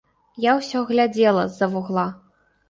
Я ўсё глядзела з-за вугла.